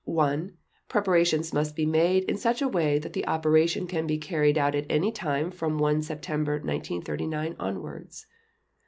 (1) Preparations must be made in such a way that the operation can be carried out at any time from 1 September 1939 onwards.